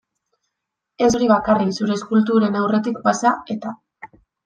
Ez hori bakarrik, zure eskulturen aurretik pasa, eta.